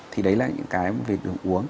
thì đấy là những cái về đường uống